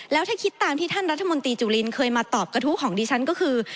แล้วถ้าคิดตามที่ท่านรัฐมนตรีจุลินเคยมาตอบกระทู้ของดิฉันก็คือ